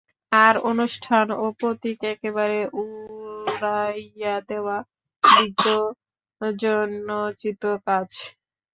আর অনুষ্ঠান ও প্রতীক একেবারে উড়াইয়া দেওয়া বিজ্ঞজনোচিত কাজ নয়।